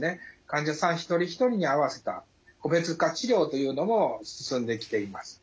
患者さん一人一人に合わせた個別化治療というのも進んできています。